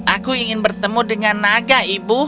aku ingin bertemu dengan naga ibu